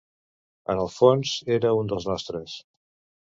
En el fons era un dels nostres.